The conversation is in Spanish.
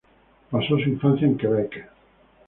Pasó su infancia en Quebec.